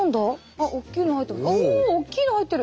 あっおっきいの入ってる。